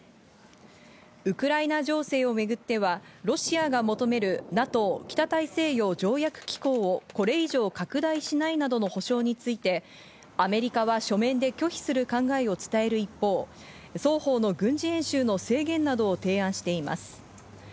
ウクライナ情勢をめぐっては、ロシアが求めるＮＡＴＯ＝北大西洋条約機構をこれ以上拡大しないなどの保証についてアメリカは書面で拒否する考えを伝える一方、双方の軍事演習の制限などを提案しています。